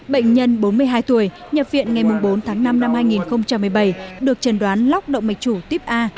bệnh nhân bốn mươi hai tuổi nhập viện ngày bốn tháng năm năm hai nghìn một mươi bảy được trần đoán lóc động mạch chủ tiếp a